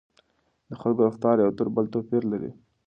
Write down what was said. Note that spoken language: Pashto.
د خلکو رفتار یو تر بل توپیر لري.